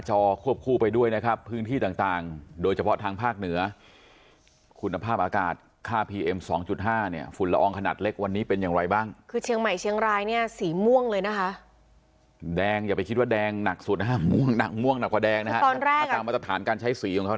จะคุ้นกับสีแดงคือแบบสีเขียวสีส้มสีแดงใช่ไหมคะ